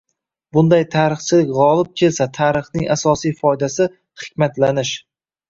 Bunday «tarixchilik» g‘olib kelsa tarixning asosiy foydasi — hikmatlanish